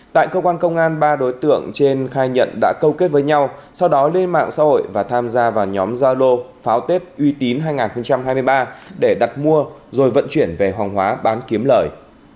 tại cơ quan công an ba đối tượng trên khai nhận đã câu kết với nhau sau đó lên mạng xã hội và tham gia vào nhóm gia lô pháo tết uy tín hai nghìn hai mươi ba để đặt mua rồi vận chuyển về hoàng hóa bán kiếm lời